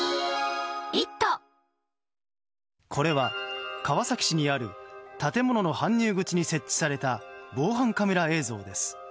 これは川崎市にある建物の搬入口に設置された防犯カメラ映像です。